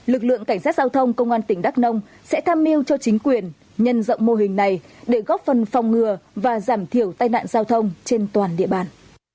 lực lượng cảnh sát giao thông công an tỉnh đắk nông sẽ tham mưu cho chính quyền nhân rộng mô hình này để góp phần phòng ngừa và giảm thiểu tai nạn giao thông trên toàn địa bàn